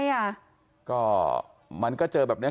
ความปลอดภัยของนายอภิรักษ์และครอบครัวด้วยซ้ำ